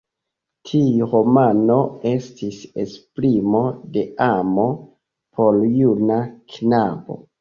Tiu romano estis esprimo de amo por juna knabo.